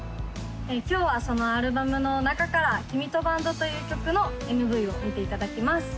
今日はそのアルバムの中から「きみとバンド」という曲のＭＶを見ていただきます